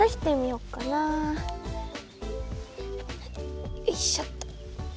よいっしょっと。